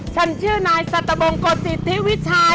ฉันชื่อนายสตบงกจิทธิวิชัย